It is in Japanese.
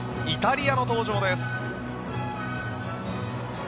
イタリアの登場です。